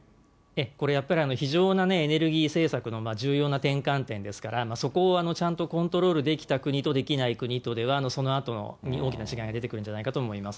これやっぱり、非常なエネルギー政策の重要なてんかんてんですからそこをちゃんとコントロールできた国とできない国とでは、そのあとに大きな違いが出てくるんじゃないかと思います。